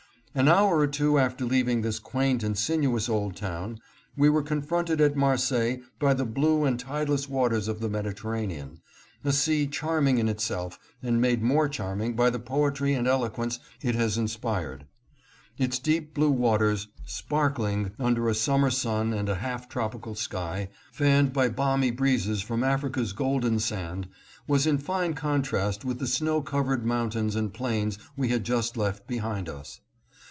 An hour or two after leaving this quaint and sinuous old town, we were confronted at Marseilles by the blue and tideless waters of the Mediterranean, a sea charming in itself and made more charming by the poetry and eloquence it has inspired. Its deep blue waters spark ling under a summer sun and a half tropical sky, fanned by balmy breezes from Afric's golden sand, was in fine contrast with the snow covered mountains and plains we had just left behind us.